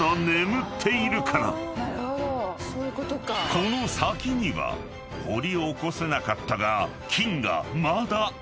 ［この先には掘り起こせなかったが金がまだある］